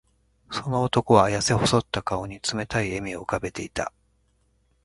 その男は、やせ細った顔に冷たい笑みを浮かべていた。